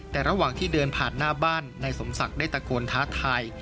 แต่ระหว่างที่เดินผ่านหน้าบ้านนายสมศักดิ์ได้ตะโกนท้าทาย